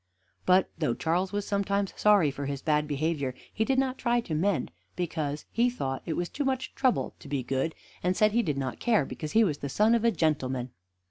But though Charles was sometimes sorry for his bad behavior, he did not try to mend, because he thought it was too much trouble to be good, and said he did not care, because he was the son of a gentleman.